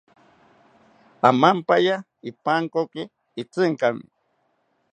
Amampaya ipankoki Itzinkami